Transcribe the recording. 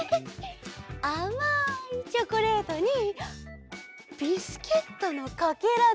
あまいチョコレートにビスケットのかけらでしょ。